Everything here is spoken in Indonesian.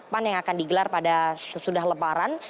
pan yang akan digelar pada sesudah lebaran